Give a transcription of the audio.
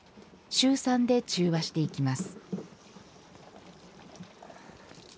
シュウ酸で中和していきます